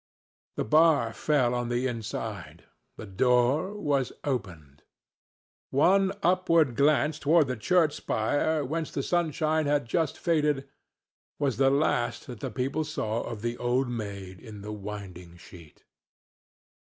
The bar fell on the inside; the door was opened. One upward glance toward the church spire, whence the sunshine had just faded, was the last that the people saw of the Old Maid in the Winding Sheet.